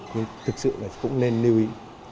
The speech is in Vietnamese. nhưng thực sự cũng nên lưu ý